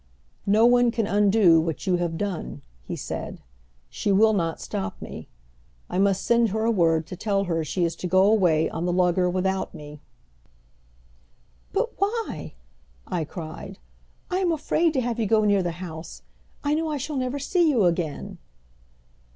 "No one can undo what you have done," he said. "She will not stop me. I must send her a word to tell her she is to go away on the lugger without me." "But why?" I cried. "I am afraid to have you go near the house. I know I shall never see you again."